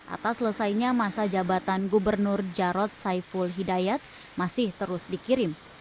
atas selesainya masa jabatan gubernur jarod saiful hidayat masih terus dikirim